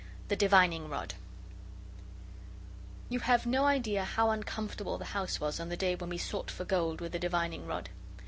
THE DIVINING ROD You have no idea how uncomfortable the house was on the day when we sought for gold with the divining rod.